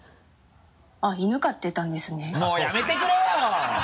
あっ犬飼ってたんですね。